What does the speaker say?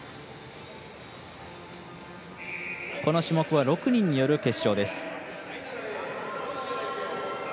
この種目は６人による決勝です。